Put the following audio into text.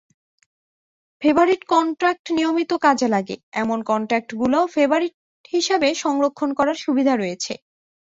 Favourite কন্টাক্টনিয়মিত কাজে লাগে, এমন কন্টাক্টগুলো ফেবারিট হিসেবে সংরক্ষণ করার সুবিধা রয়েছে।